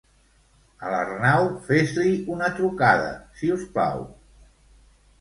A l'Arnau fes-li una trucada, si us plau.